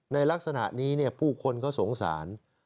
ในลักษณะนี้ผู้คนเขาสงสาร